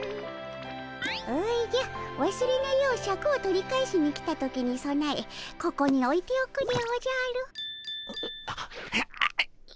おじゃわすれぬようシャクを取り返しに来た時にそなえここにおいておくでおじゃる。